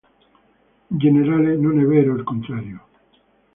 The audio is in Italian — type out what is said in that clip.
In generale, non è vero il contrario.